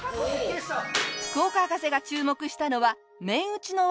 福岡博士が注目したのは麺打ちの技でした。